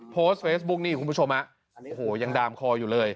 โพสต์เฟซบุ๊กนี่คุณผู้ชมฮะโอ้โหยังดามคออยู่เลย